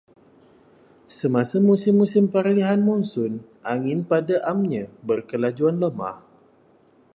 Semasa musim-musim peralihan monsun, angin pada amnya berkelajuan lemah.